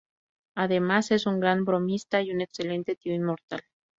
Además es un gran bromista y un excelente tío inmortal.